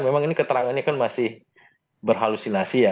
memang ini keterangannya kan masih berhalusinasi ya